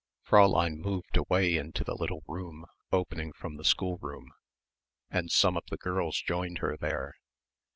Fräulein moved away into the little room opening from the schoolroom, and some of the girls joined her there.